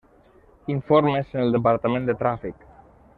Informes en el departament de tràfic.